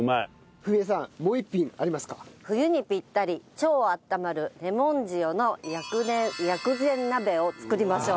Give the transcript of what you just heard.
冬にピッタリ超あったまるレモン塩の薬膳鍋を作りましょう。